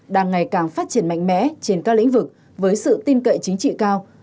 đang ngày càng phát triển mạnh mẽ trên các lĩnh vực với sự tin cậy chính trị cao